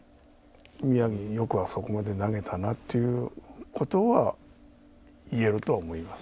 宮城、よくあそこまで投げたなということはいえると思います。